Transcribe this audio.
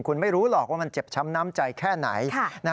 คุณไม่รู้หรอกว่ามันเจ็บช้ำน้ำใจแค่ไหน